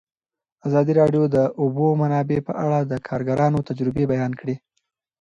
ازادي راډیو د د اوبو منابع په اړه د کارګرانو تجربې بیان کړي.